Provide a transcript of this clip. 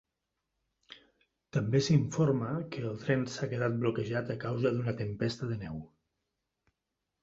També s'informa que el tren s'ha quedat bloquejat a causa d'una tempesta de neu.